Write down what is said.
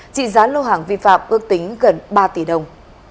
trị giá lô hàng vi phạm ước tính gần ba tỷ đồng